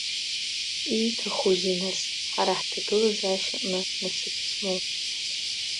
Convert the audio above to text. Ииҭахузеи, нас, ҳара ҳҭагылазаашьаҟны насыԥ змоу?